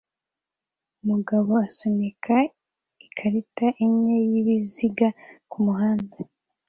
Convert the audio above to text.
Umugabo asunika ikarita enye yibiziga kumuhanda